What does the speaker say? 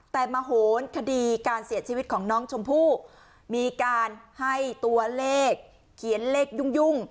แต่มาโหนคดีการเสียชีวิตของน้องชมพู่มีการให้ตัวเลขเขียนเลขยุ่ง